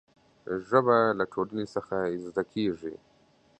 ژبه له ټولنې څخه زده کېږي.